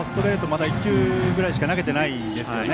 まだ１球くらいしか投げていないんですよね。